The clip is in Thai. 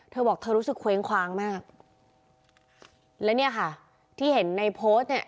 เธอบอกเธอรู้สึกเคว้งคว้างมากแล้วเนี่ยค่ะที่เห็นในโพสต์เนี่ย